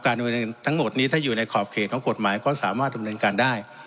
บริเวณทั้งหมดนี้ถ้าอยู่ในขอบเขตของกฎหมายก็สามารถดำเนินการได้